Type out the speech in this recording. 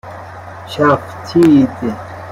چَفتید